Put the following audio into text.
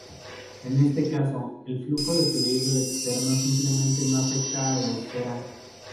En este caso, el flujo de fluido externo simplemente no afecta a la esfera.